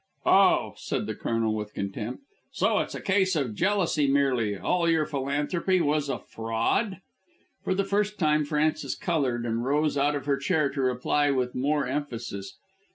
"Oh," said the Colonel with contempt, "so it's a case of jealousy merely. All your philanthropy was a fraud?" For the first time Frances coloured and rose out of her chair to reply with more emphasis.